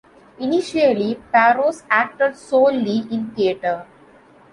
Initially, Parros acted solely in theater.